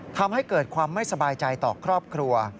ทำให้เกิดความไม่สบายใจต่อครอบครัว